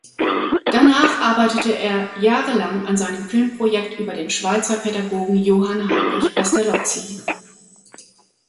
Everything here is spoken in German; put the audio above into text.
Danach arbeitete er jahrelang an seinem Filmprojekt über den Schweizer Pädagogen Johann Heinrich Pestalozzi.